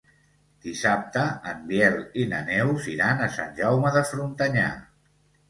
Dissabte en Biel i na Neus iran a Sant Jaume de Frontanyà.